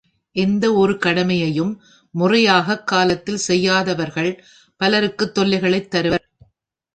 எந்த ஒரு கடமையையும் முறையாகக் காலத்தில் செய்யாதவர்கள் பலருக்குத் தொல்லைகளைத் தருவர்.